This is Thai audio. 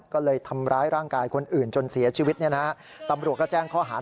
ก็เลยทำร้ายร่างกายคนอื่นจนเสียชีวิตตำรวจก็แจ้งข้อหา